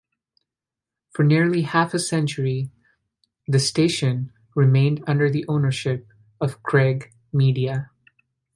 For nearly half a century, the station remained under the ownership of Craig Media.